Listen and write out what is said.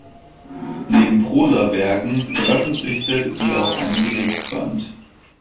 Neben Prosawerken veröffentlichte sie auch einen Gedichtband.